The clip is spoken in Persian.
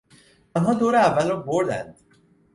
آنها دور اول را بردند.